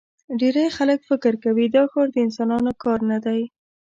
ډېری خلک فکر کوي دا ښار د انسانانو کار نه دی.